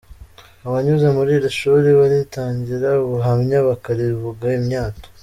Abanyuze muri iri shuri baritangira ubuhamya, bakarivuga imyato.